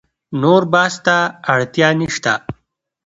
نور بحث ته اړتیا نشته.